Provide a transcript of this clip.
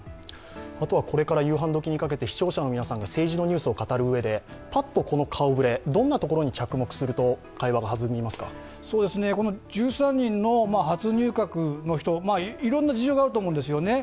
これから夕飯時にかけて、視聴者の皆さんが政治のニュースを語る上で、パッとこの顔ぶれ、どんなところに着目すると１３人の初入閣の人いろんな事情があると思うんですよね